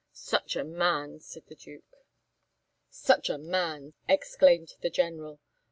"Such a man!" said the Duke. "Such a man!" exclaimed the General.